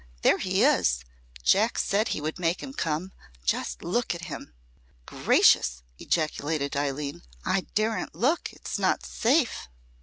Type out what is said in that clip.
"There he is! Jack said he would make him come! Just look at him!" "Gracious!" ejaculated Eileen. "I daren't look! It's not safe!"